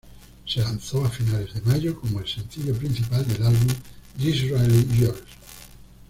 Se lanzó a finales de mayo como el sencillo principal del álbum "Disraeli Gears".